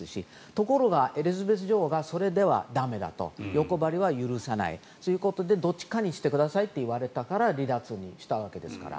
ところが、エリザベス女王がそれでは駄目だと欲張りは許さないということでどっちかにしてくださいと言われたから離脱したわけですから。